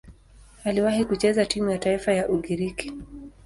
Aliwahi kucheza timu ya taifa ya Ugiriki.